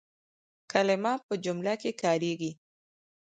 کلیمه په جمله کښي کارېږي.